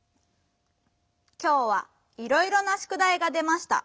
「きょうはいろいろなしゅくだいがでました」。